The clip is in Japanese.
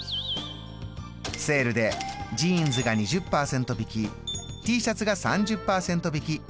セールでジーンズが２０％引きＴシャツが３０％引き。